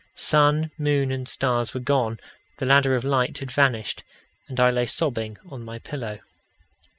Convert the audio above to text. Sun, moon, and stars were gone; the ladder of light had vanished; and I lay sobbing on my pillow.